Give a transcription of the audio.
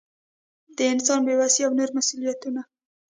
د انسان بې وسي او نور مسؤلیتونه.